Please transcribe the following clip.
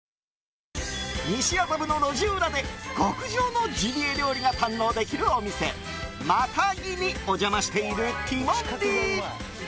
西麻布の路地裏で極上のジビエ料理が堪能できるお店またぎにお邪魔しているティモンディ。